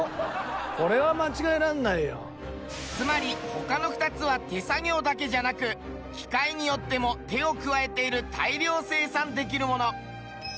つまり他の２つは手作業だけじゃなく機械によっても手を加えている大量生産できるもの。